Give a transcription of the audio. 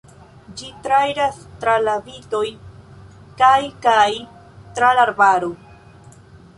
Ĝi trairas tra la vitoj kaj kaj tra la arbaro.